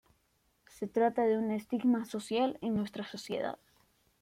Se trata de un estigma social en nuestra sociedad.